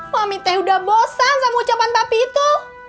mami teh udah bosan sama ucapan papi itu